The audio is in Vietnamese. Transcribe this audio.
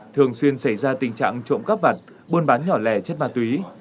thường xuyên xảy ra tình trạng trộm cắp vặt buôn bán nhỏ lẻ chất ma túy